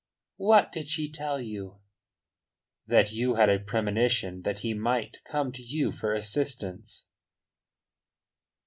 "What did she tell you?" "That you had a premonition that he might come to you for assistance."